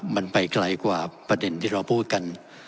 มันไปไกลกว่าประเด็นที่เราพูดกัน